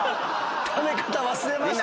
食べ方忘れました？